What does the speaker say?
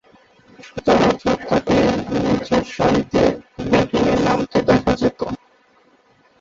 সচরাচর তাকে নিচেরসারিতে ব্যাটিংয়ে নামতে দেখা যেতো।